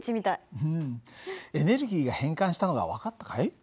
エネルギーが変換したのが分かったかい？